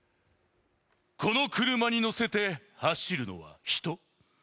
この車にのせて走るのは人？